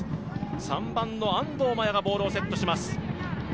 ３番の安藤麻耶がボールをセットします。